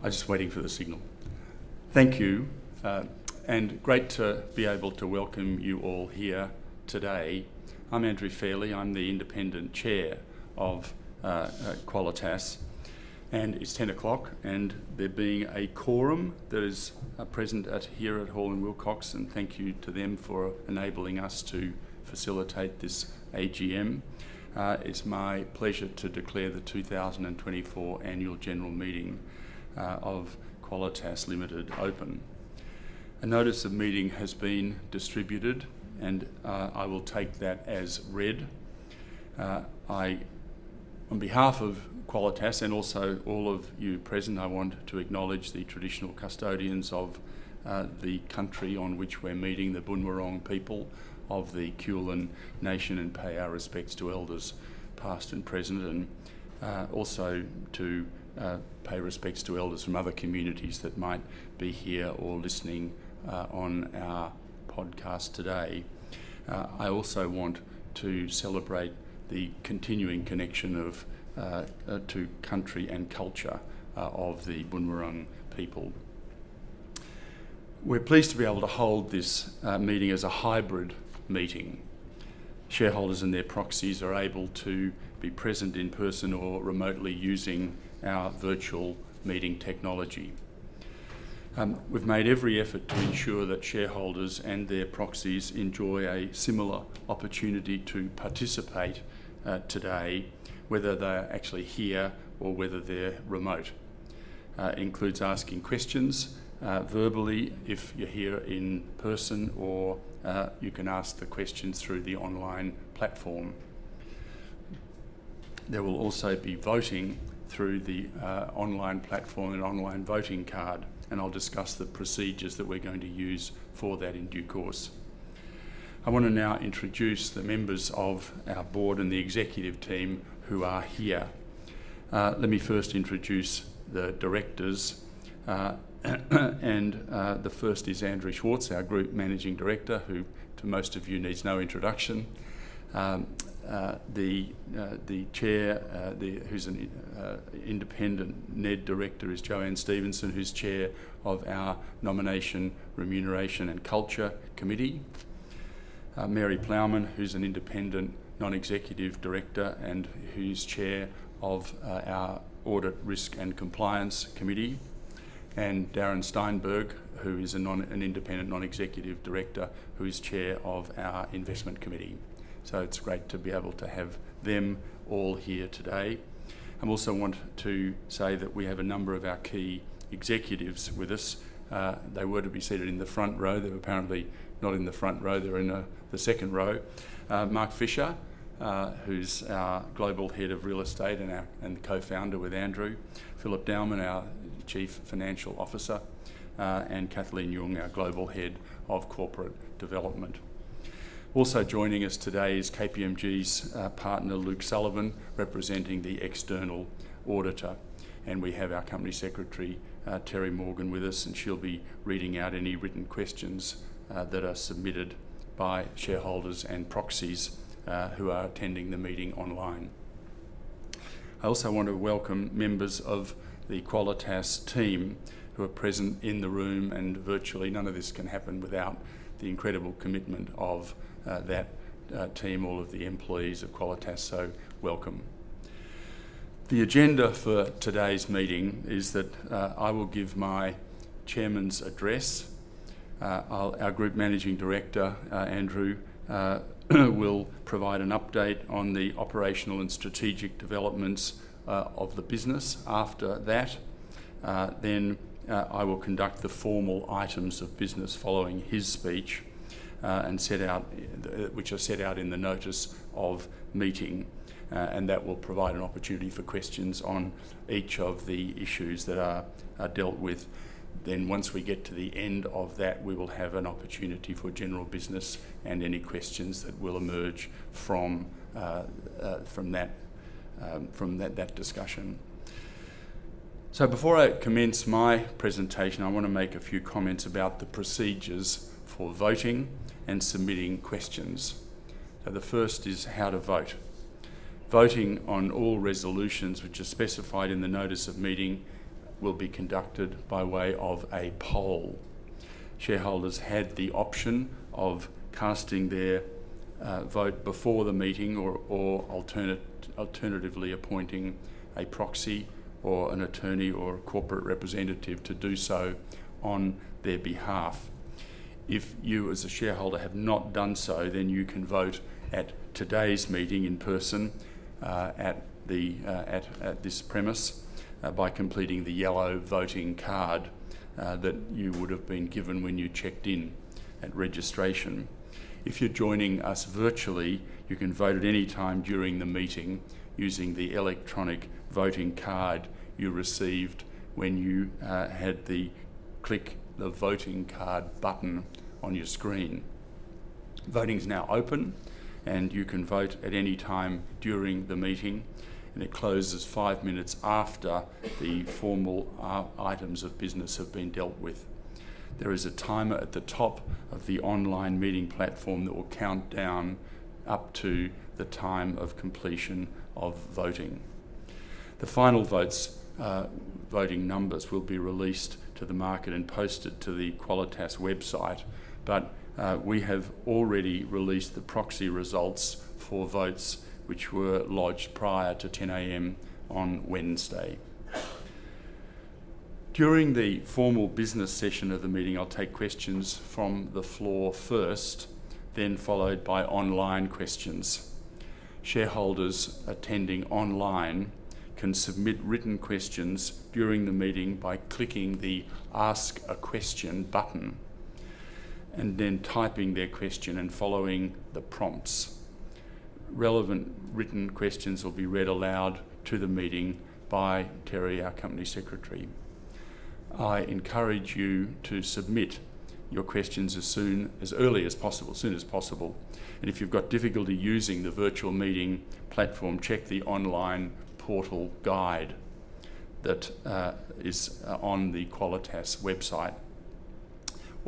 I'm just waiting for the signal. Thank you, and great to be able to welcome you all here today. I'm Andrew Fairley, I'm the independent chair of Qualitas and it's 10:00 A.M. and there being a quorum that is present here at Hall & Wilcox, and thank you to them for enabling us to facilitate this AGM. It's my pleasure to declare the 2024 Annual General Meeting of Qualitas Limited open. A notice of meeting has been distributed and I will take that as read. I, on behalf of Qualitas and also all of you present, I want to acknowledge the traditional custodians of the country on which we're meeting, the Boon Wurrung people of the Kulin Nation, and pay our respects to elders past and present, and also to pay respects to elders from other communities that might be here or listening on our podcast today. I also want to celebrate the continuing connection to country and culture of the Boon Wurrung people. We're pleased to be able to hold this meeting as a hybrid meeting. Shareholders and their proxies are able to be present in person or remotely using our virtual meeting technology. We've made every effort to ensure that shareholders and their proxies enjoy a similar opportunity to participate today, whether they're actually here or whether they're remote. It includes asking questions verbally if you're here in person or you can ask the questions through the online platform. There will also be voting through the online platform and online voting card, and I'll discuss the procedures that we're going to use for that in due course. I want to now introduce the members of our board and the executive team who are here. Let me first introduce the directors, and the first is Andrew Schwartz, our Group Managing Director, who to most of you needs no introduction. The Chair, who's an independent NED director, is JoAnne Stephenson, who's Chair of our Nomination, Remuneration, and Culture Committee. Mary Ploughman, who's an independent non-executive director and who's Chair of our Audit, Risk and Compliance Committee. And Darren Steinberg, who is an independent non-executive director, who is Chair of our Investment Committee. So it's great to be able to have them all here today. I also want to say that we have a number of our key executives with us. They were to be seated in the front row. They're apparently not in the front row. They're in the second row. Mark Fischer, who's our global head of real estate and the co-founder with Andrew. Philip Dowman, our Chief Financial Officer, and Kathleen Yeung, our Global Head of Corporate Development. Also joining us today is KPMG's partner, Luke Sullivan, representing the external auditor. And we have our Company Secretary, Terrie Morgan, with us, and she'll be reading out any written questions that are submitted by shareholders and proxies who are attending the meeting online. I also want to welcome members of the Qualitas team who are present in the room and virtually. None of this can happen without the incredible commitment of that team, all of the employees of Qualitas. So welcome. The agenda for today's meeting is that I will give my chairman's address. Our Group Managing Director, Andrew, will provide an update on the operational and strategic developments of the business. After that, then I will conduct the formal items of business following his speech, which are set out in the notice of meeting, and that will provide an opportunity for questions on each of the issues that are dealt with. Then once we get to the end of that, we will have an opportunity for general business and any questions that will emerge from that discussion. So before I commence my presentation, I want to make a few comments about the procedures for voting and submitting questions. So the first is how to vote. Voting on all resolutions, which are specified in the notice of meeting, will be conducted by way of a poll. Shareholders had the option of casting their vote before the meeting or alternatively appointing a proxy or an attorney or a corporate representative to do so on their behalf. If you, as a shareholder, have not done so, then you can vote at today's meeting in person at this premises by completing the yellow voting card that you would have been given when you checked in at registration. If you're joining us virtually, you can vote at any time during the meeting using the electronic voting card you received when you had to click the voting card button on your screen. Voting is now open, and you can vote at any time during the meeting, and it closes five minutes after the formal items of business have been dealt with. There is a timer at the top of the online meeting platform that will count down up to the time of completion of voting. The final voting numbers will be released to the market and posted to the Qualitas website, but we have already released the proxy results for votes, which were lodged prior to 10:00 A.M. on Wednesday. During the formal business session of the meeting, I'll take questions from the floor first, then followed by online questions. Shareholders attending online can submit written questions during the meeting by clicking the Ask a Question button and then typing their question and following the prompts. Relevant written questions will be read aloud to the meeting by Terrie, our company secretary. I encourage you to submit your questions as early as possible, soon as possible, and if you've got difficulty using the virtual meeting platform, check the online portal guide that is on the Qualitas website,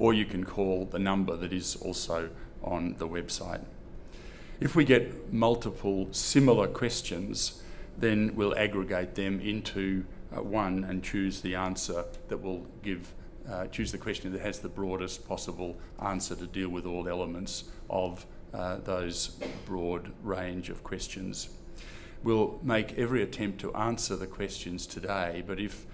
or you can call the number that is also on the website. If we get multiple similar questions, then we'll aggregate them into one and choose the question that has the broadest possible answer to deal with all elements of those broad range of questions. We'll make every attempt to answer the questions today, but if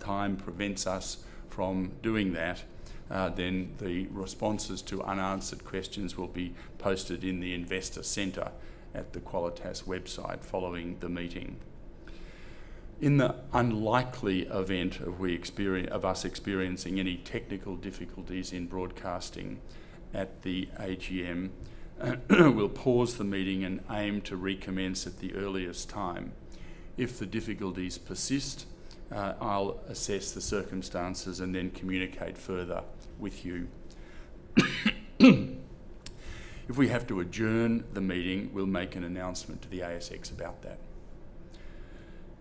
time prevents us from doing that, then the responses to unanswered questions will be posted in the investor center at the Qualitas website following the meeting. In the unlikely event of us experiencing any technical difficulties in broadcasting at the AGM, we'll pause the meeting and aim to recommence at the earliest time. If the difficulties persist, I'll assess the circumstances and then communicate further with you. If we have to adjourn the meeting, we'll make an announcement to the ASX about that.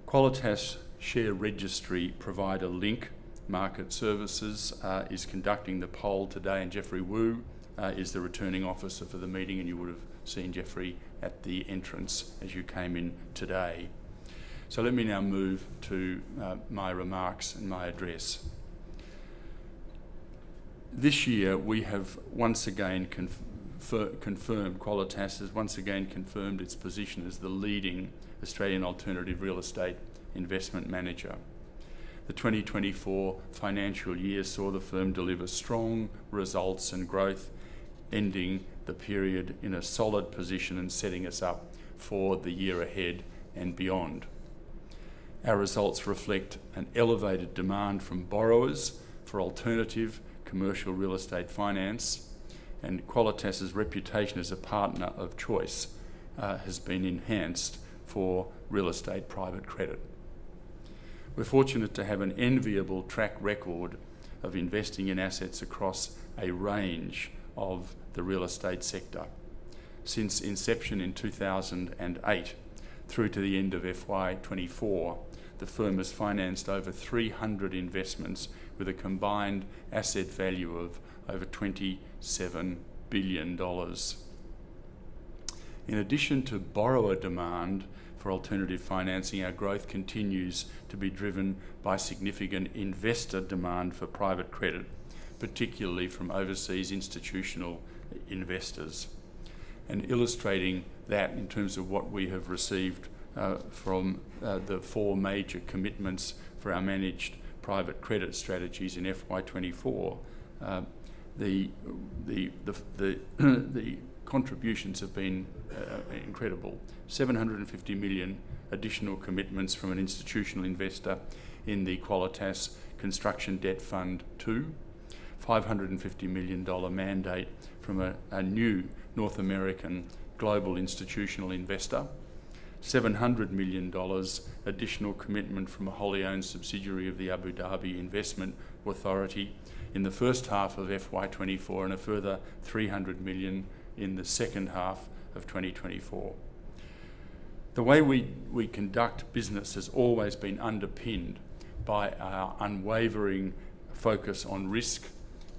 Qualitas share registry provider Link Market Services is conducting the poll today, and Jeffrey Wu is the returning officer for the meeting, and you would have seen Jeffrey at the entrance as you came in today. So let me now move to my remarks and my address. This year, Qualitas has once again confirmed its position as the leading Australian alternative real estate investment manager. The 2024 financial year saw the firm deliver strong results and growth, ending the period in a solid position and setting us up for the year ahead and beyond. Our results reflect an elevated demand from borrowers for alternative commercial real estate finance, and Qualitas's reputation as a partner of choice has been enhanced for real estate private credit. We're fortunate to have an enviable track record of investing in assets across a range of the real estate sector. Since inception in 2008 through to the end of FY24, the firm has financed over 300 investments with a combined asset value of over 27 billion dollars. In addition to borrower demand for alternative financing, our growth continues to be driven by significant investor demand for private credit, particularly from overseas institutional investors, and illustrating that in terms of what we have received from the four major commitments for our managed private credit strategies in FY24, the contributions have been incredible: 750 million additional commitments from an institutional investor in the Qualitas Construction Debt Fund II, 550 million dollar mandate from a new North American global institutional investor, 700 million dollars additional commitment from a wholly owned subsidiary of the Abu Dhabi Investment Authority in the first half of FY24, and a further 300 million in the second half of 2024. The way we conduct business has always been underpinned by our unwavering focus on risk,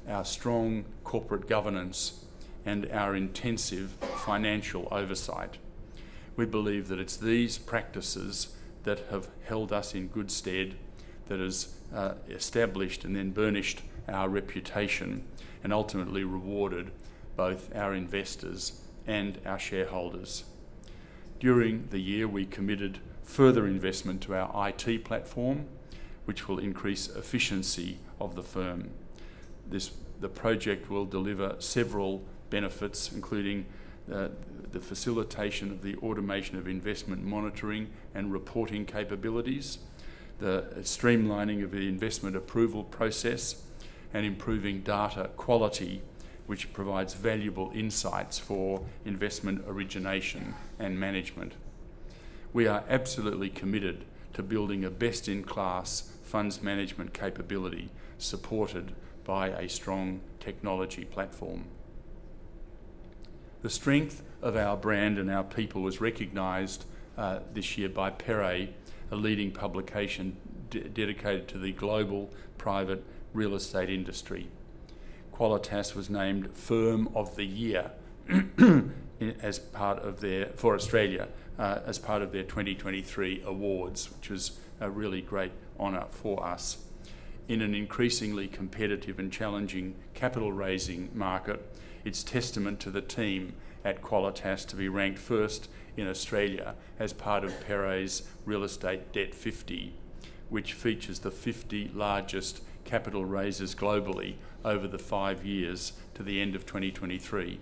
our strong corporate governance, and our intensive financial oversight. We believe that it's these practices that have held us in good stead that has established and then burnished our reputation and ultimately rewarded both our investors and our shareholders. During the year, we committed further investment to our IT platform, which will increase efficiency of the firm. The project will deliver several benefits, including the facilitation of the automation of investment monitoring and reporting capabilities, the streamlining of the investment approval process, and improving data quality, which provides valuable insights for investment origination and management. We are absolutely committed to building a best-in-class funds management capability supported by a strong technology platform. The strength of our brand and our people was recognized this year by PERE, a leading publication dedicated to the global private real estate industry. Qualitas was named Firm of the Year for Australia as part of their 2023 awards, which was a really great honor for us. In an increasingly competitive and challenging capital-raising market, it's testament to the team at Qualitas to be ranked first in Australia as part of PERE's Real Estate Debt 50, which features the 50 largest capital raisers globally over the five years to the end of 2023,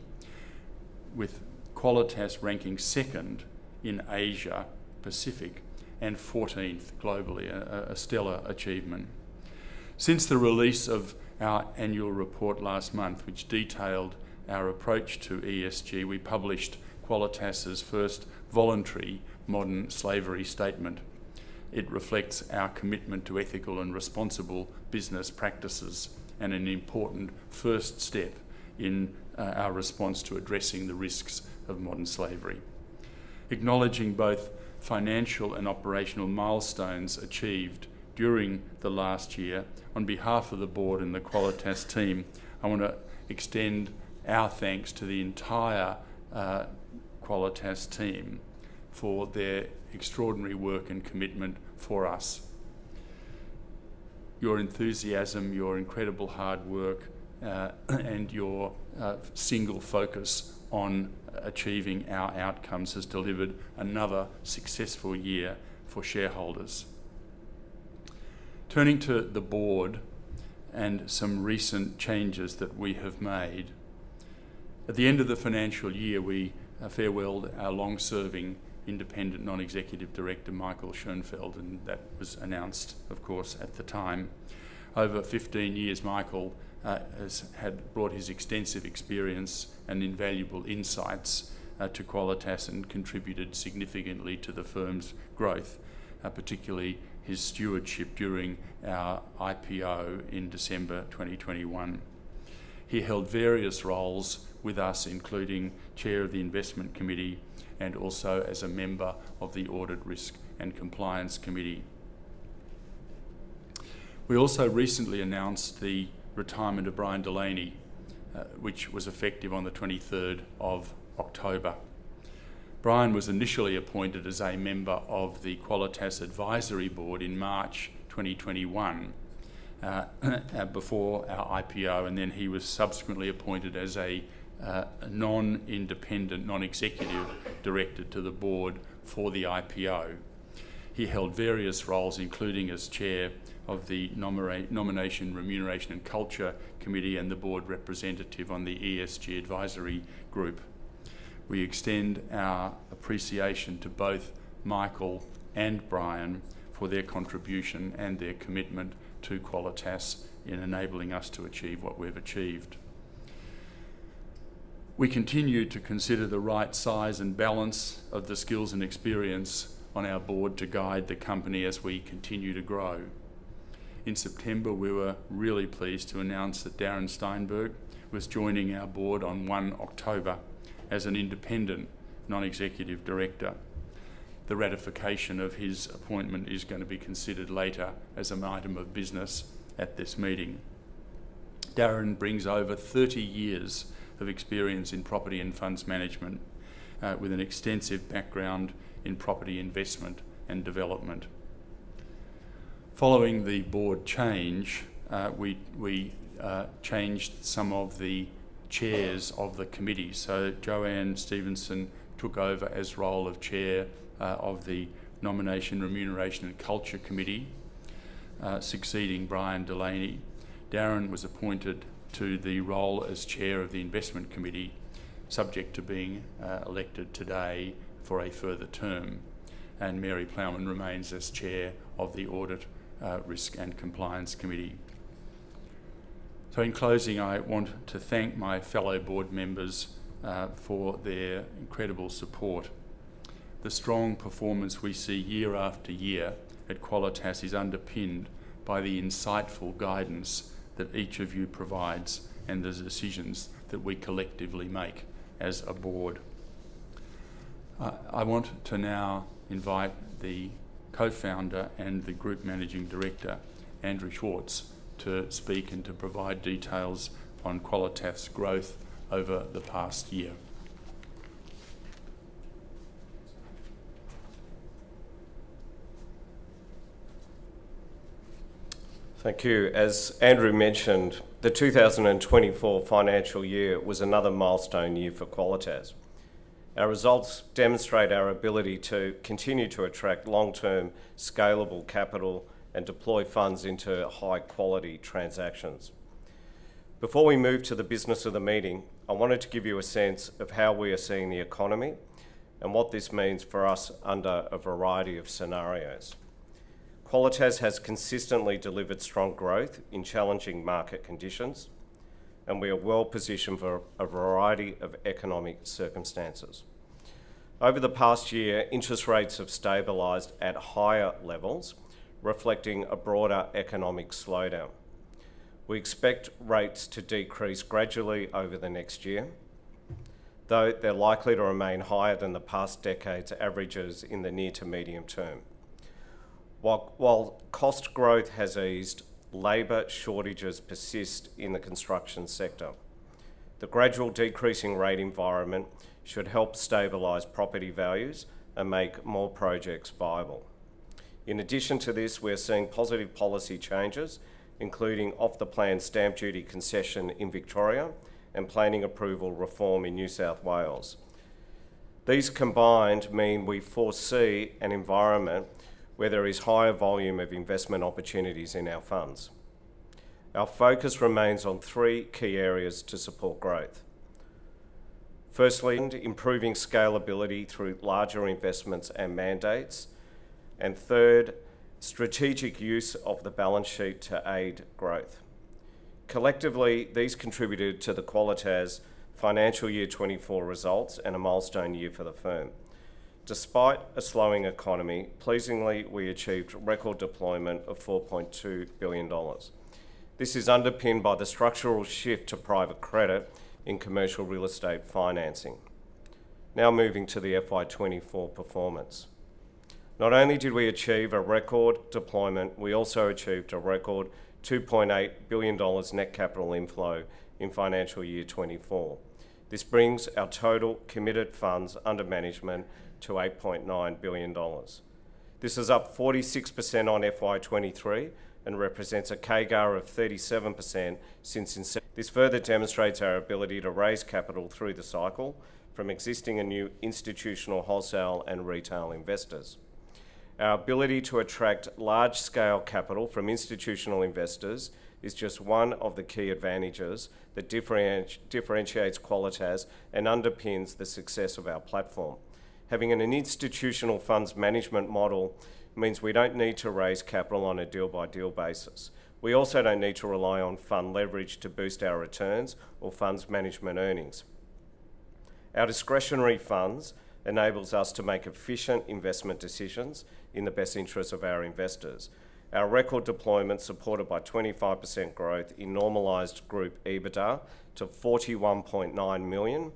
with Qualitas ranking second in Asia Pacific and 14th globally, a stellar achievement. Since the release of our annual report last month, which detailed our approach to ESG, we published Qualitas's first voluntary modern slavery statement. It reflects our commitment to ethical and responsible business practices and an important first step in our response to addressing the risks of modern slavery. Acknowledging both financial and operational milestones achieved during the last year, on behalf of the board and the Qualitas team, I want to extend our thanks to the entire Qualitas team for their extraordinary work and commitment for us. Your enthusiasm, your incredible hard work, and your single focus on achieving our outcomes has delivered another successful year for shareholders. Turning to the board and some recent changes that we have made. At the end of the financial year, we farewelled our long-serving independent non-executive director, Michael Schoenfeld, and that was announced, of course, at the time. Over 15 years, Michael has brought his extensive experience and invaluable insights to Qualitas and contributed significantly to the firm's growth, particularly his stewardship during our IPO in December 2021. He held various roles with us, including chair of the investment committee and also as a member of the audit risk and compliance committee. We also recently announced the retirement of Brian Delaney, which was effective on the 23rd of October. Brian was initially appointed as a member of the Qualitas advisory board in March 2021 before our IPO, and then he was subsequently appointed as a non-independent non-executive director to the board for the IPO. He held various roles, including as chair of the nomination, remuneration, and culture committee and the board representative on the ESG advisory group. We extend our appreciation to both Michael and Brian for their contribution and their commitment to Qualitas in enabling us to achieve what we've achieved. We continue to consider the right size and balance of the skills and experience on our board to guide the company as we continue to grow. In September, we were really pleased to announce that Darren Steinberg was joining our board on 1 October as an independent non-executive director. The ratification of his appointment is going to be considered later as an item of business at this meeting. Darren brings over 30 years of experience in property and funds management with an extensive background in property investment and development. Following the board change, we changed some of the chairs of the committee. So JoAnne Stephenson took over as role of chair of the nomination, remuneration, and culture committee, succeeding Brian Delaney. Darren was appointed to the role as chair of the investment committee, subject to being elected today for a further term, and Mary Ploughman remains as chair of the audit risk and compliance committee. So in closing, I want to thank my fellow board members for their incredible support. The strong performance we see year after year at Qualitas is underpinned by the insightful guidance that each of you provides and the decisions that we collectively make as a board. I want to now invite the co-founder and the group managing director, Andrew Schwartz, to speak and to provide details on Qualitas's growth over the past year. Thank you. As Andrew mentioned, the 2024 financial year was another milestone year for Qualitas. Our results demonstrate our ability to continue to attract long-term scalable capital and deploy funds into high-quality transactions. Before we move to the business of the meeting, I wanted to give you a sense of how we are seeing the economy and what this means for us under a variety of scenarios. Qualitas has consistently delivered strong growth in challenging market conditions, and we are well positioned for a variety of economic circumstances. Over the past year, interest rates have stabilized at higher levels, reflecting a broader economic slowdown. We expect rates to decrease gradually over the next year, though they're likely to remain higher than the past decade's averages in the near to medium term. While cost growth has eased, labor shortages persist in the construction sector. The gradual decreasing rate environment should help stabilize property values and make more projects viable. In addition to this, we are seeing positive policy changes, including off-the-plan stamp duty concession in Victoria and planning approval reform in New South Wales. These combined mean we foresee an environment where there is higher volume of investment opportunities in our funds. Our focus remains on three key areas to support growth. Firstly, improving scalability through larger investments and mandates. And third, strategic use of the balance sheet to aid growth. Collectively, these contributed to the Qualitas financial year 24 results and a milestone year for the firm. Despite a slowing economy, pleasingly, we achieved record deployment of 4.2 billion dollars. This is underpinned by the structural shift to private credit in commercial real estate financing. Now moving to the FY24 performance. Not only did we achieve a record deployment, we also achieved a record 2.8 billion dollars net capital inflow in financial year 24. This brings our total committed funds under management to 8.9 billion dollars. This is up 46% on FY23 and represents a CAGR of 37% since in. This further demonstrates our ability to raise capital through the cycle from existing and new institutional wholesale and retail investors. Our ability to attract large-scale capital from institutional investors is just one of the key advantages that differentiates Qualitas and underpins the success of our platform. Having an institutional funds management model means we don't need to raise capital on a deal-by-deal basis. We also don't need to rely on fund leverage to boost our returns or funds management earnings. Our discretionary funds enables us to make efficient investment decisions in the best interest of our investors. Our record deployment supported by 25% growth in normalized group EBITDA to 41.9 million dollars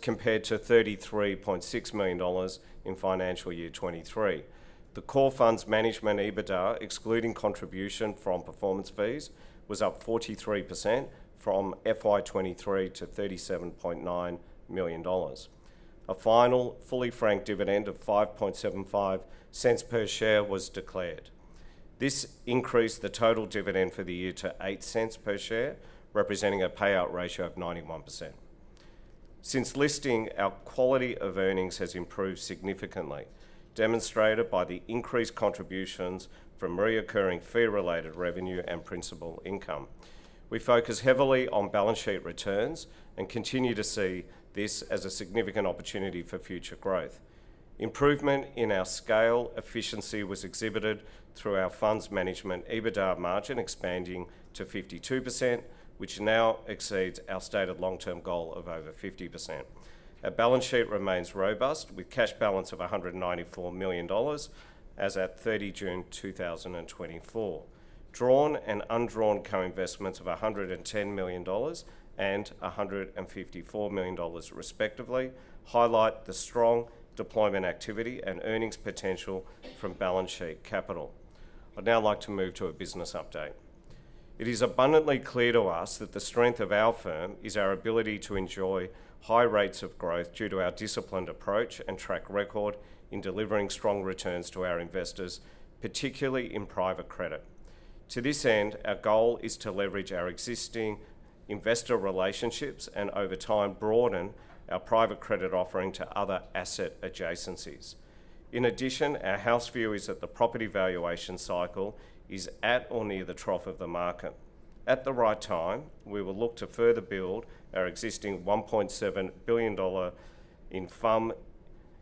compared to 33.6 million dollars in financial year 2023. The core funds management EBITDA, excluding contribution from performance fees, was up 43% from FY 2023 to 37.9 million dollars. A final fully franked dividend of 5.75 per share was declared. This increased the total dividend for the year to 0.08 per share, representing a payout ratio of 91%. Since listing, our quality of earnings has improved significantly, demonstrated by the increased contributions from recurring fee-related revenue and principal income. We focus heavily on balance sheet returns and continue to see this as a significant opportunity for future growth. Improvement in our scale efficiency was exhibited through our funds management EBITDA margin expanding to 52%, which now exceeds our stated long-term goal of over 50%. Our balance sheet remains robust, with cash balance of 194 million dollars as at 30 June 2024. Drawn and undrawn co-investments of 110 million dollars and 154 million dollars, respectively, highlight the strong deployment activity and earnings potential from balance sheet capital. I'd now like to move to a business update. It is abundantly clear to us that the strength of our firm is our ability to enjoy high rates of growth due to our disciplined approach and track record in delivering strong returns to our investors, particularly in private credit. To this end, our goal is to leverage our existing investor relationships and, over time, broaden our private credit offering to other asset adjacencies. In addition, our house view is that the property valuation cycle is at or near the trough of the market. At the right time, we will look to further build our existing 1.7 billion dollar in FUM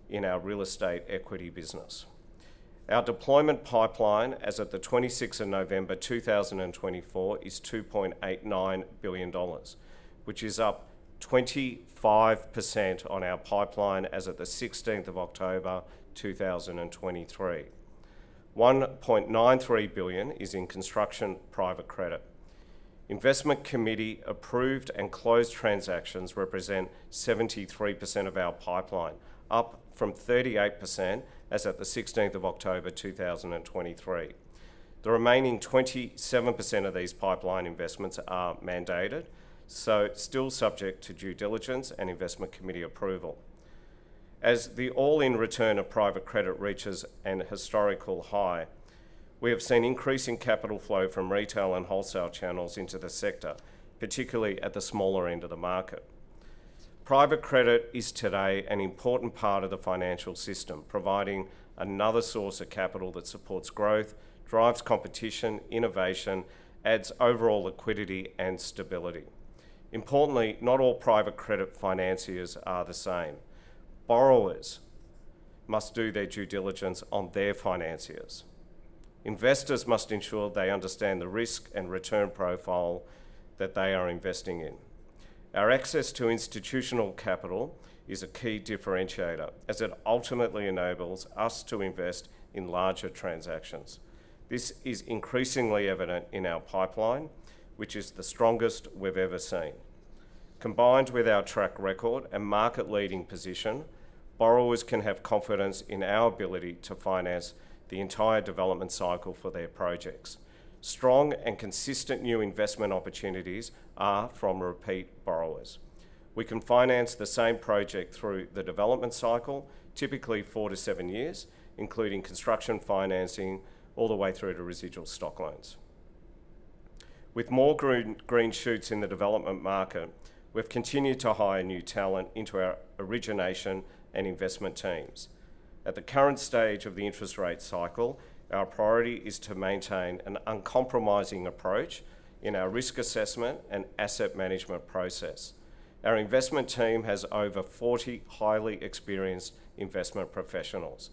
in our real estate equity business. Our deployment pipeline as of the 26th of November 2024 is 2.89 billion dollars, which is up 25% on our pipeline as of the 16th of October 2023. 1.93 billion is in construction private credit. Investment committee approved and closed transactions represent 73% of our pipeline, up from 38% as of the 16th of October 2023. The remaining 27% of these pipeline investments are mandated, so still subject to due diligence and investment committee approval. As the all-in return of private credit reaches a historical high, we have seen increasing capital flow from retail and wholesale channels into the sector, particularly at the smaller end of the market. Private credit is today an important part of the financial system, providing another source of capital that supports growth, drives competition, innovation, adds overall liquidity, and stability. Importantly, not all private credit financiers are the same. Borrowers must do their due diligence on their financiers. Investors must ensure they understand the risk and return profile that they are investing in. Our access to institutional capital is a key differentiator as it ultimately enables us to invest in larger transactions. This is increasingly evident in our pipeline, which is the strongest we've ever seen. Combined with our track record and market-leading position, borrowers can have confidence in our ability to finance the entire development cycle for their projects. Strong and consistent new investment opportunities are from repeat borrowers. We can finance the same project through the development cycle, typically four to seven years, including construction financing all the way through to residual stock loans. With more green shoots in the development market, we've continued to hire new talent into our origination and investment teams. At the current stage of the interest rate cycle, our priority is to maintain an uncompromising approach in our risk assessment and asset management process. Our investment team has over 40 highly experienced investment professionals.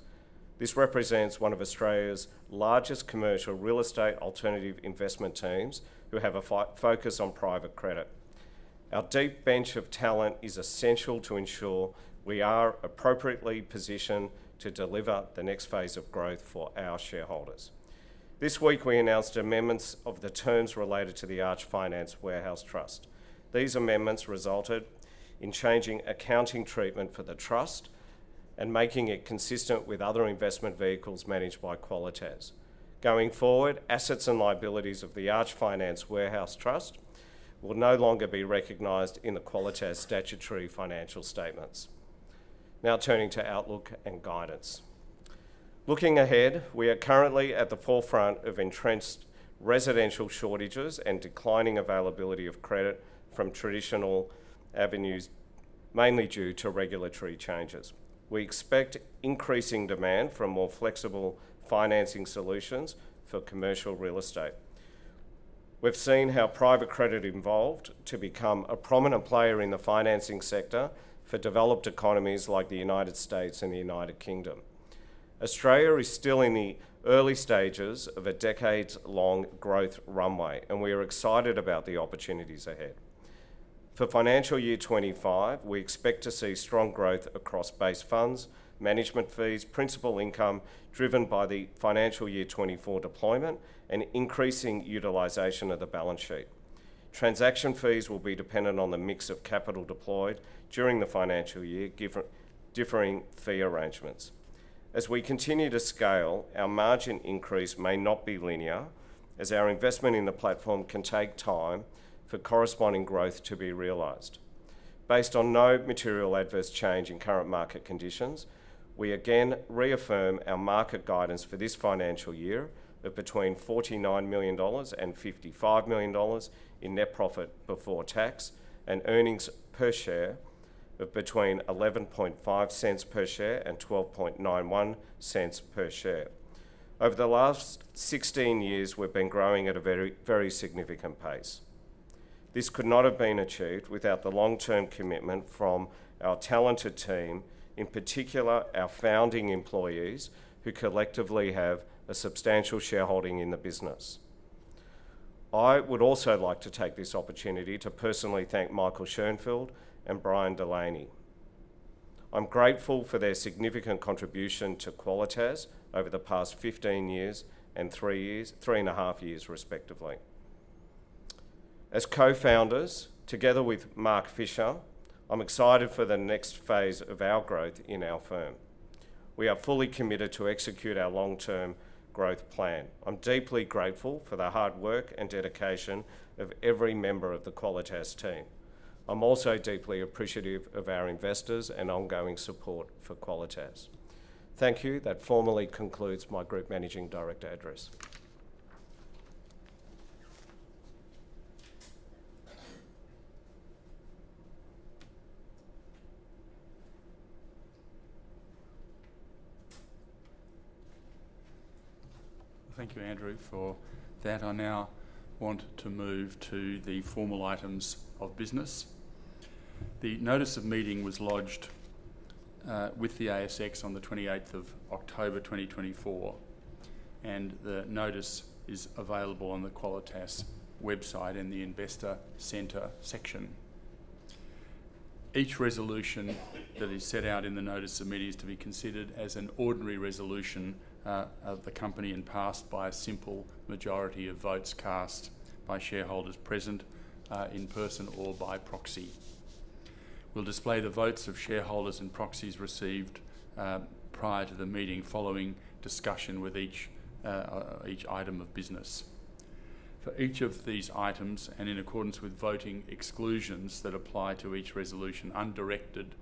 This represents one of Australia's largest commercial real estate alternative investment teams who have a focus on private credit. Our deep bench of talent is essential to ensure we are appropriately positioned to deliver the next phase of growth for our shareholders. This week, we announced amendments of the terms related to the Arch Finance Warehouse Trust. These amendments resulted in changing accounting treatment for the trust and making it consistent with other investment vehicles managed by Qualitas. Going forward, assets and liabilities of the Arch Finance Warehouse Trust will no longer be recognized in the Qualitas statutory financial statements. Now turning to outlook and guidance. Looking ahead, we are currently at the forefront of entrenched residential shortages and declining availability of credit from traditional avenues, mainly due to regulatory changes. We expect increasing demand for more flexible financing solutions for commercial real estate. We've seen how private credit evolved to become a prominent player in the financing sector for developed economies like the United States and the United Kingdom. Australia is still in the early stages of a decades-long growth runway, and we are excited about the opportunities ahead. For financial year 25, we expect to see strong growth across base funds, management fees, principal income driven by the financial year 24 deployment, and increasing utilization of the balance sheet. Transaction fees will be dependent on the mix of capital deployed during the financial year, differing fee arrangements. As we continue to scale, our margin increase may not be linear, as our investment in the platform can take time for corresponding growth to be realized. Based on no material adverse change in current market conditions, we again reaffirm our market guidance for this financial year of between 49 million dollars and 55 million dollars in net profit before tax and earnings per share of between 11.50 per share and 12.91 per share. Over the last 16 years, we've been growing at a very significant pace. This could not have been achieved without the long-term commitment from our talented team, in particular our founding employees, who collectively have a substantial shareholding in the business. I would also like to take this opportunity to personally thank Michael Schoenfeld and Brian Delaney. I'm grateful for their significant contribution to Qualitas over the past 15 years and three and a half years, respectively. As co-founders, together with Mark Fischer, I'm excited for the next phase of our growth in our firm. We are fully committed to execute our long-term growth plan. I'm deeply grateful for the hard work and dedication of every member of the Qualitas team. I'm also deeply appreciative of our investors and ongoing support for Qualitas. Thank you. That formally concludes my Group Managing Director address. Thank you, Andrew, for that. I now want to move to the formal items of business. The notice of meeting was lodged with the ASX on the 28th of October 2024, and the notice is available on the Qualitas website in the Investor Center section. Each resolution that is set out in the notice of meeting is to be considered as an ordinary resolution of the company and passed by a simple majority of votes cast by shareholders present in person or by proxy. We'll display the votes of shareholders and proxies received prior to the meeting following discussion with each item of business. For each of these items, and in accordance with voting exclusions that apply to each resolution, undirected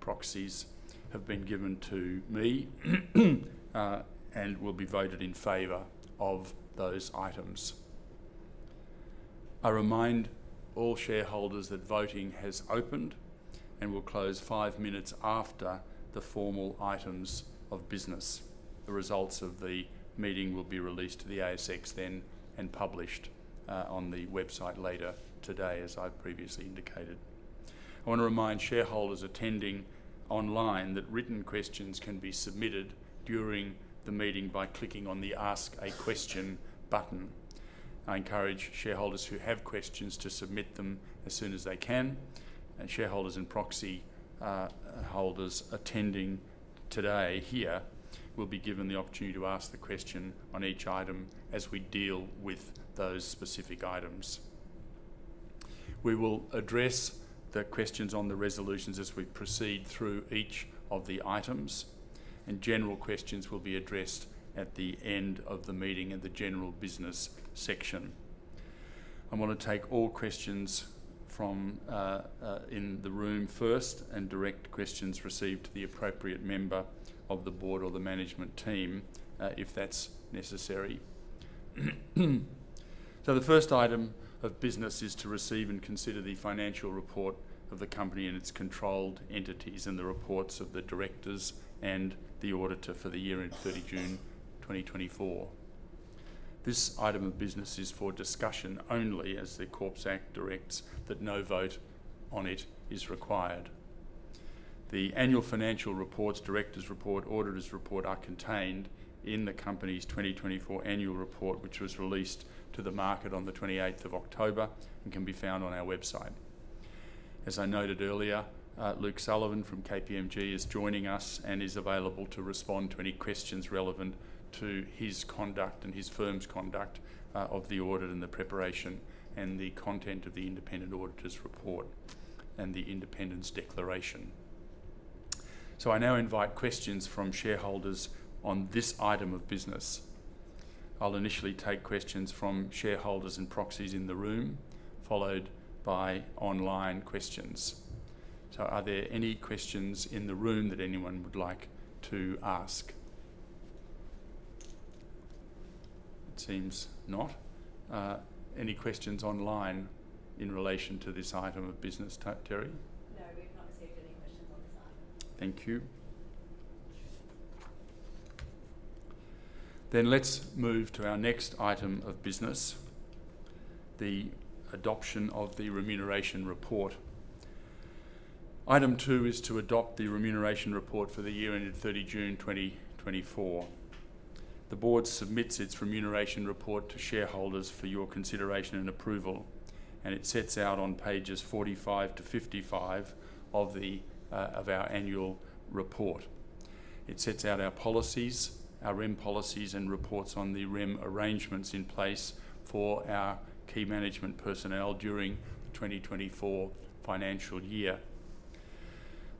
proxies have been given to me and will be voted in favor of those items. I remind all shareholders that voting has opened and will close five minutes after the formal items of business. The results of the meeting will be released to the ASX then and published on the website later today, as I've previously indicated. I want to remind shareholders attending online that written questions can be submitted during the meeting by clicking on the Ask a Question button. I encourage shareholders who have questions to submit them as soon as they can. Shareholders and proxy holders attending today here will be given the opportunity to ask the question on each item as we deal with those specific items. We will address the questions on the resolutions as we proceed through each of the items, and general questions will be addressed at the end of the meeting in the general business section. I want to take all questions in the room first and direct questions received to the appropriate member of the board or the management team, if that's necessary. So the first item of business is to receive and consider the financial report of the company and its controlled entities and the reports of the directors and the auditor for the year ended 30 June 2024. This item of business is for discussion only, as the Corporations Act directs that no vote on it is required. The annual financial reports, directors' report, auditor's report are contained in the company's 2024 annual report, which was released to the market on the 28th of October and can be found on our website. As I noted earlier, Luke Sullivan from KPMG is joining us and is available to respond to any questions relevant to his conduct and his firm's conduct of the audit and the preparation and the content of the independent auditor's report and the independence declaration. So I now invite questions from shareholders on this item of business. I'll initially take questions from shareholders and proxies in the room, followed by online questions. So are there any questions in the room that anyone would like to ask? It seems not. Any questions online in relation to this item of business, Terrie? No, we've not received any questions on this item. Thank you. Then let's move to our next item of business, the adoption of the remuneration report. Item two is to adopt the remuneration report for the year ended 30 June 2024. The board submits its remuneration report to shareholders for your consideration and approval, and it sets out on pages 45 to 55 of our annual report. It sets out our policies, our REM policies, and reports on the REM arrangements in place for our key management personnel during the 2024 financial year.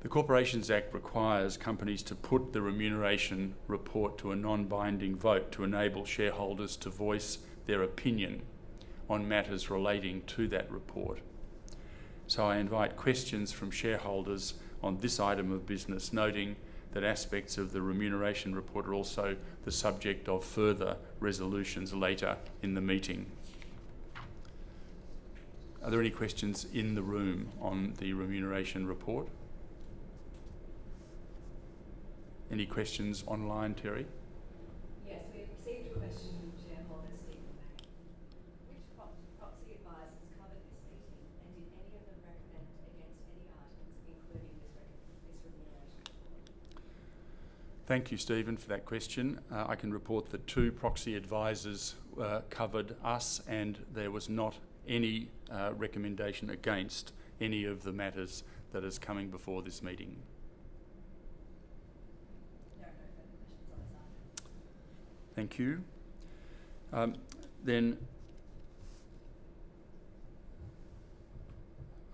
The Corporations Act requires companies to put the remuneration report to a non-binding vote to enable shareholders to voice their opinion on matters relating to that report. So I invite questions from shareholders on this item of business, noting that aspects of the remuneration report are also the subject of further resolutions later in the meeting. Are there any questions in the room on the remuneration report? Any questions online, Terrie? Yes, we received a question from shareholder Stephen Mayne. Which proxy advisors covered this meeting, and did any of them recommend against any items, including this remuneration report? Thank you, Stephen, for that question. I can report that two proxy advisors covered us, and there was not any recommendation against any of the matters that are coming before this meeting. No, no further questions on this item. Thank you. Then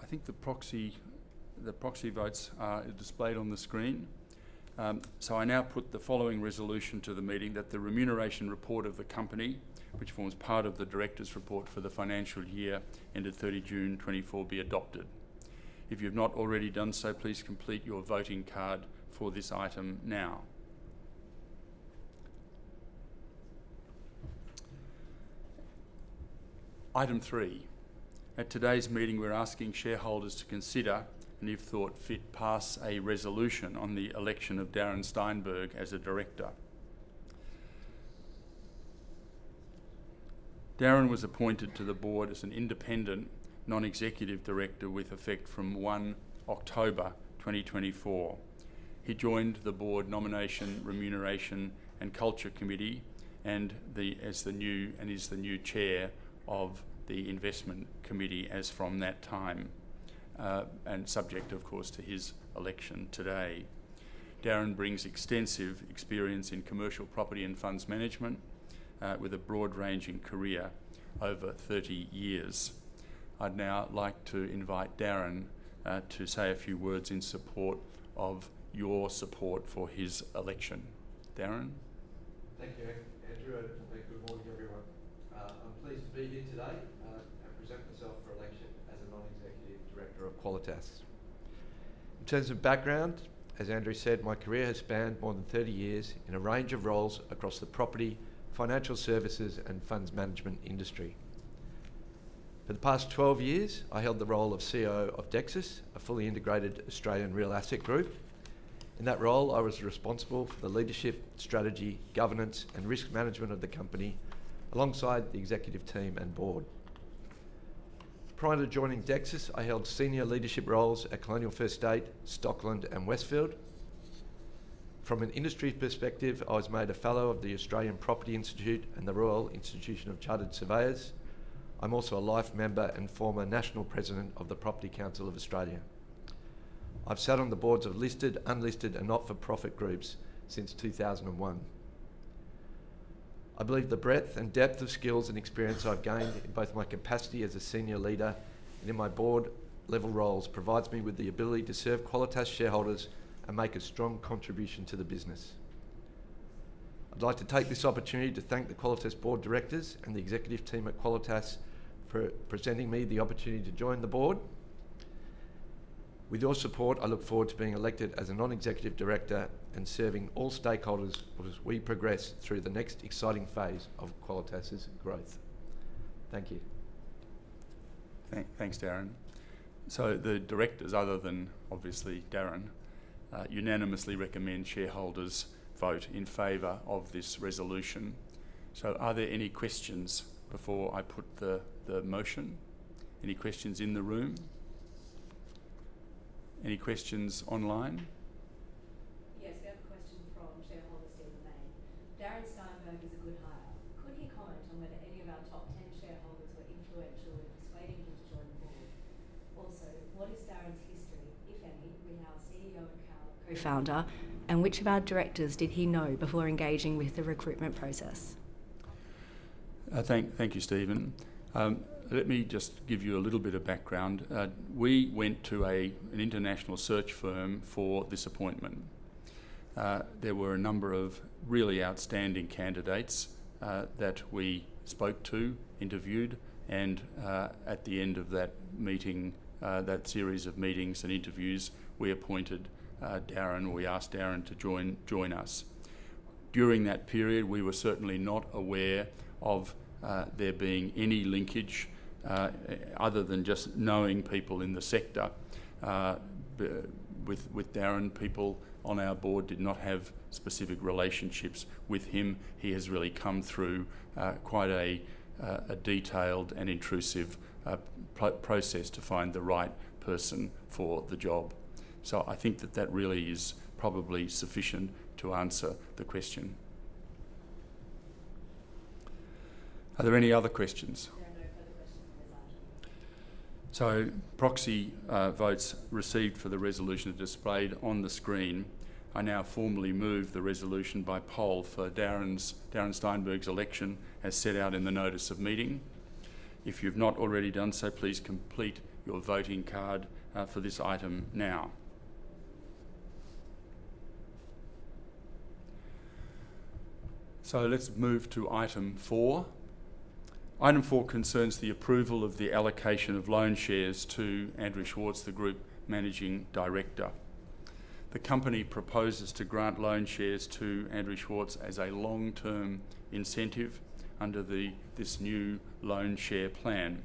I think the proxy votes are displayed on the screen. So I now put the following resolution to the meeting: that the remuneration report of the company, which forms part of the director's report for the financial year ended 30 June 2024, be adopted. If you have not already done so, please complete your voting card for this item now. Item three. At today's meeting, we're asking shareholders to consider and, if thought fit, pass a resolution on the election of Darren Steinberg as a director. Darren was appointed to the Board as an independent Non-Executive Director with effect from 1 October 2024. He joined the Board Nomination, Remuneration, and Culture Committee as the new and is the new chair of the Investment Committee as from that time and subject, of course, to his election today. Darren brings extensive experience in commercial property and funds management with a broad-ranging career over 30 years. I'd now like to invite Darren to say a few words in support of your support for his election. Darren?d Thank you, Andrew. Good morning, everyone. I'm pleased to be here today and present myself for election as a Non-Executive Director of Qualitas. In terms of background, as Andrew said, my career has spanned more than 30 years in a range of roles across the property, financial services, and funds management industry. For the past 12 years, I held the role of COO of Dexus, a fully integrated Australian real estate group. In that role, I was responsible for the leadership, strategy, governance, and risk management of the company alongside the executive team and board. Prior to joining Dexus, I held senior leadership roles at Colonial First State, Stockland, and Westfield. From an industry perspective, I was made a fellow of the Australian Property Institute and the Royal Institution of Chartered Surveyors. I'm also a life member and former national president of the Property Council of Australia. I've sat on the boards of listed, unlisted, and not-for-profit groups since 2001. I believe the breadth and depth of skills and experience I've gained in both my capacity as a senior leader and in my board-level roles provides me with the ability to serve Qualitas shareholders and make a strong contribution to the business. I'd like to take this opportunity to thank the Qualitas board directors and the executive team at Qualitas for presenting me the opportunity to join the board. With your support, I look forward to being elected as a non-executive director and serving all stakeholders as we progress through the next exciting phase of Qualitas' growth. Thank you. Thanks, Darren. So the directors, other than obviously Darren, unanimously recommend shareholders vote in favor of this resolution. So are there any questions before I put the motion? Any questions in the room? Any questions online? Yes, we have a question from shareholder Stephen Mayne. Darren Steinberg is a good hire. Could he comment on whether any of our top 10 shareholders were influential in persuading him to join the board? Also, what is Darren's history, if any, with our CEO and co-founder, and which of our directors did he know before engaging with the recruitment process? Thank you, Stephen. Let me just give you a little bit of background. We went to an international search firm for this appointment. There were a number of really outstanding candidates that we spoke to, interviewed, and at the end of that series of meetings and interviews, we appointed Darren or we asked Darren to join us. During that period, we were certainly not aware of there being any linkage other than just knowing people in the sector. With Darren, people on our board did not have specific relationships with him. He has really come through quite a detailed and intrusive process to find the right person for the job. So I think that that really is probably sufficient to answer the question. Are there any other questions? No, no further questions from this item. So proxy votes received for the resolution displayed on the screen. I now formally move the resolution by poll for Darren Steinberg's election as set out in the notice of meeting. If you've not already done so, please complete your voting card for this item now. So let's move to item four. Item four concerns the approval of the allocation of loan shares to Andrew Schwartz, the Group Managing Director. The company proposes to grant loan shares to Andrew Schwartz as a long-term incentive under this new loan share plan.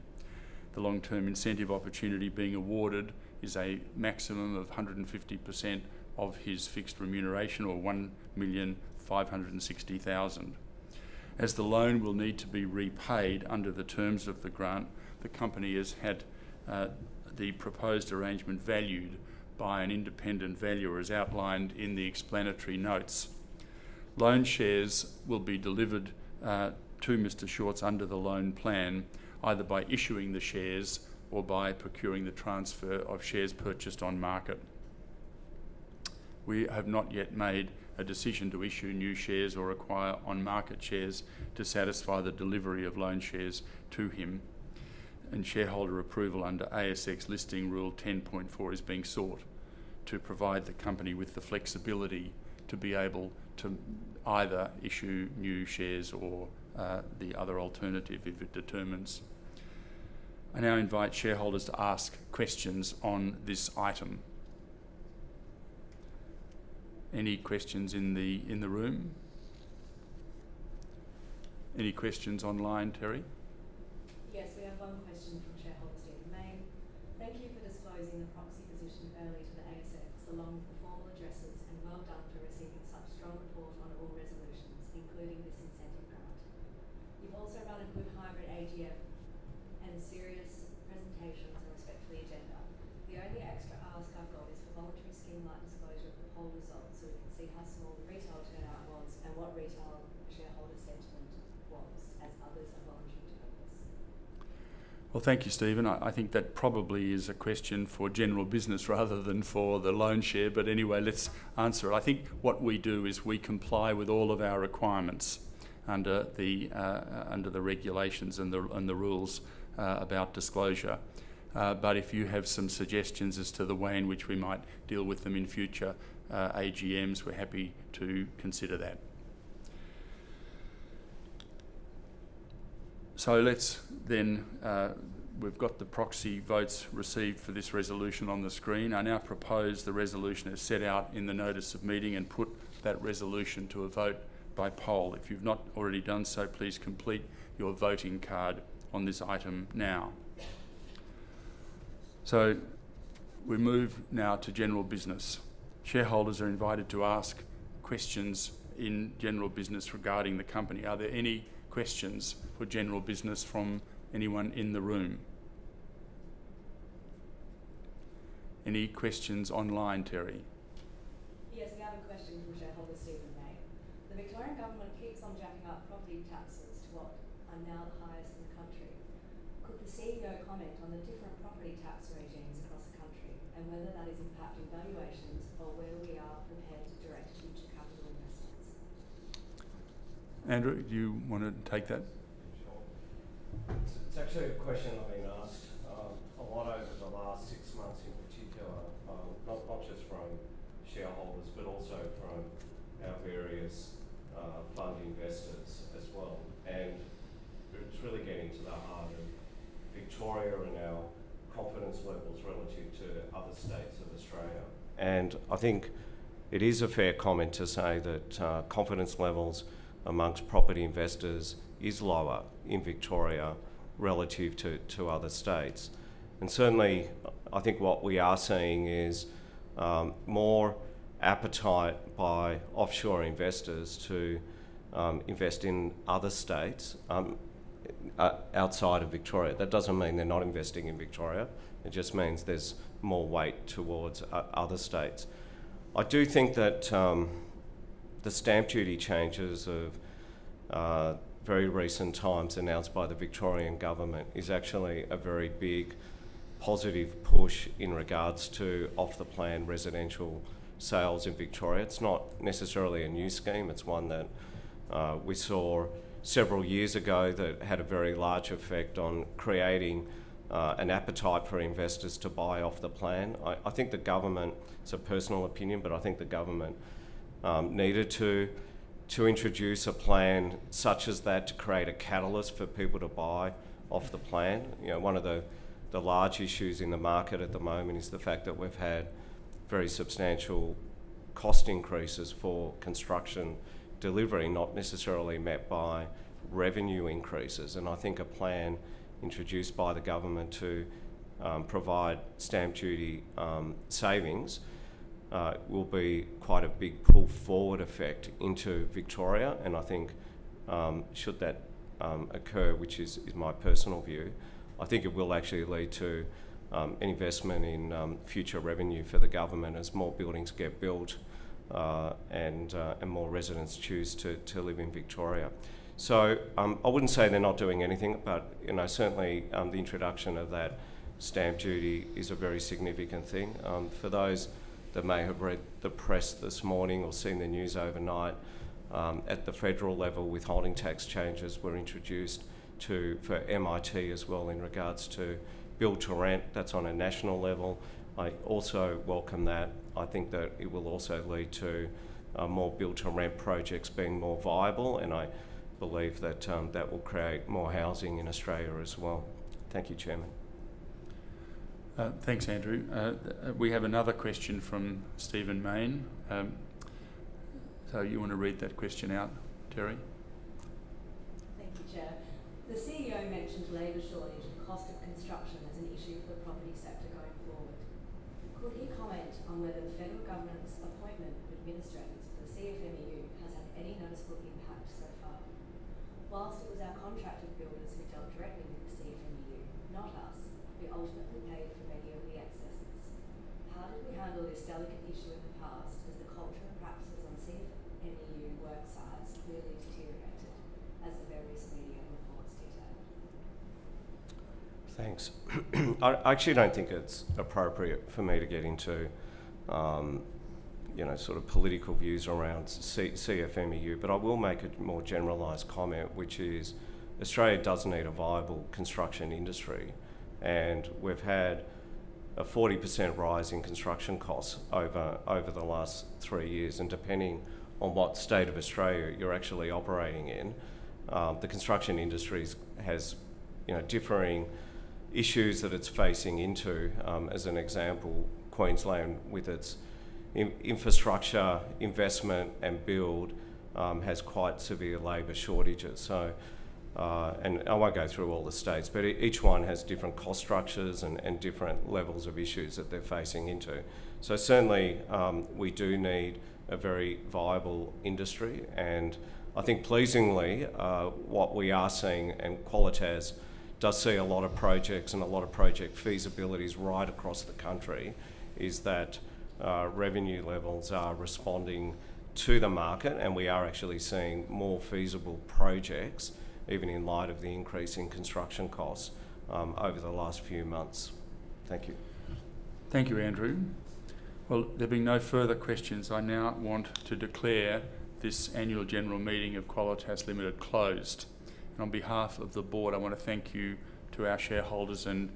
The long-term incentive opportunity being awarded is a maximum of 150% of his fixed remuneration or 1,560,000. As the loan will need to be repaid under the terms of the grant, the company has had the proposed arrangement valued by an independent valuer as outlined in the explanatory notes. Loan shares will be delivered to Mr. Schwartz under the loan plan, either by issuing the shares or by procuring the transfer of shares purchased on market. We have not yet made a decision to issue new shares or acquire on-market shares to satisfy the delivery of loan shares to him, and shareholder approval under ASX listing rule 10.4 is being sought to provide the company with the flexibility to be able to either issue new shares or the other alternative if it determines. I now invite shareholders to ask questions on this item. Any questions in the room? Any questions online, Terrie? Yes, we have one question So let's then we've got the proxy votes received for this resolution on the screen. I now propose the resolution as set out in the notice of meeting and put that resolution to a vote by poll. If you've not already done so, please complete your voting card on this item now. So we move now to general business. Shareholders are invited to ask questions in general business regarding the company. Are there any Andrew, do you want to take that? It's actually a question I've been asked a lot over the last six months in particular, not just from shareholders but also from our various fund investors as well. And it's really getting to the heart of Victoria and our confidence levels relative to other states of Australia. And I think it is a fair comment to say that confidence levels among property investors is lower in Victoria relative to other states. And certainly, I think what we are seeing is more appetite by offshore investors to invest in other states outside of Victoria. That doesn't mean they're not investing in Victoria. It just means there's more weight towards other states. I do think that the stamp duty changes of very recent times announced by the Victorian government is actually a very big positive push in regards to off-the-plan residential sales in Victoria. It's not necessarily a new scheme. It's one that we saw several years ago that had a very large effect on creating an appetite for investors to buy off-the-plan. I think the government, it's a personal opinion, but I think the government needed to introduce a plan such as that to create a catalyst for people to buy off-the-plan. One of the large issues in the market at the moment is the fact that we've had very substantial cost increases for construction delivery, not necessarily met by revenue increases, and I think a plan introduced by the government to provide stamp duty savings will be quite a big pull forward effect into Victoria. And I think should that occur, which is my personal view, I think it will actually lead to an investment in future revenue for the government as more buildings get built and more residents choose to live in Victoria. So I wouldn't say they're not doing anything, but certainly the introduction of that stamp duty is a very significant thing. For those that may have read the press this morning or seen the news overnight, at the federal level, withholding tax changes were introduced for MIT as well in regards to build-to-rent. That's on a national level. I also welcome that. I think that it will also lead to more build-to-rent projects being more viable, and I believe that that will create more housing in Australia as well. Thank you, Chairman. Thanks, Andrew. We have another question from Stephen Mayne. So you want to read that question out, Terrie? Thank you, Chair. The CEO mentioned labor shortage and cost of construction as an issue for the property sector going forward. Could he comment on whether the federal government's appointment of administrators for the CFMEU has had any noticeable impact so far? While it was our contractor builders who dealt directly with the CFMEU, not us, we ultimately paid for many of the excesses. How did we handle this delicate issue in the past as the culture and practices on CFMEU work sites clearly deteriorated, as the various media reports detailed? Thanks. I actually don't think it's appropriate for me to get into sort of political views around CFMEU, but I will make a more generalized comment, which is Australia does need a viable construction industry, and we've had a 40% rise in construction costs over the last three years. And depending on what state of Australia you're actually operating in, the construction industry has differing issues that it's facing into. As an example, Queensland, with its infrastructure investment and build, has quite severe labor shortages. And I won't go through all the states, but each one has different cost structures and different levels of issues that they're facing into. So certainly, we do need a very viable industry. And I think pleasingly, what we are seeing and Qualitas does see a lot of projects and a lot of project feasibilities right across the country is that revenue levels are responding to the market, and we are actually seeing more feasible projects, even in light of the increase in construction costs over the last few months. Thank you. Thank you, Andrew. Well, there being no further questions, I now want to declare this Annual General Meeting of Qualitas Limited closed. On behalf of the board, I want to thank you to our shareholders and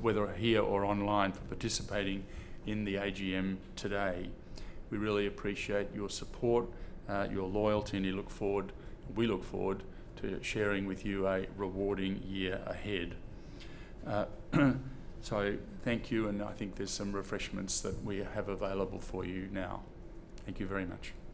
whether here or online for participating in the AGM today. We really appreciate your support, your loyalty, and we look forward to sharing with you a rewarding year ahead. Thank you, and I think there's some refreshments that we have available for you now. Thank you very much.